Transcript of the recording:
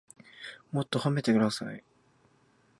もっと褒めてください